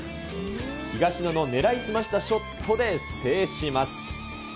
東野の狙い澄ましたショットで制します。